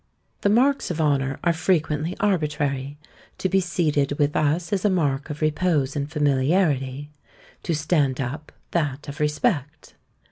The marks of honour are frequently arbitrary; to be seated with us is a mark of repose and familiarity; to stand up, that of respect.